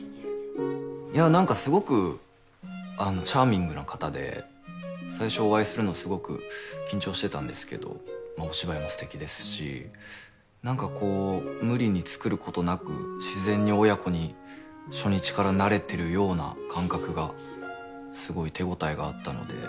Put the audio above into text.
何かすごくチャーミングな方で最初お会いするのすごく緊張してたんですけどお芝居もすてきですし無理につくることなく自然に親子に初日からなれてるような感覚がすごい手応えがあったので。